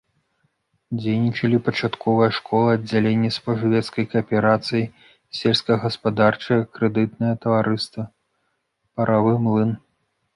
Дзейнічалі пачатковая школа, аддзяленне спажывецкай кааперацыі, сельскагаспадарчае крэдытнае таварыства, паравы млын.